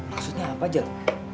maksudnya apa jal